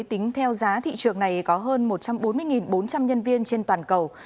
tính theo giá thị trường này có hơn một trăm bốn mươi bốn trăm linh nhân viên trên toàn cầu